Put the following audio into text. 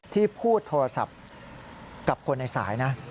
ที่พูดโทรศัพท์กับคนในสายนะ